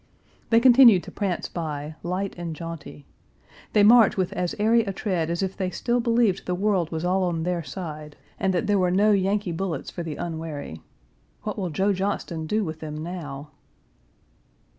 They continue to prance by, light and jaunty. They march with as airy a tread as if they still believed the world was all on their side, and that there were Page 372 no Yankee bullets for the unwary. What will Joe Johnston do with them now?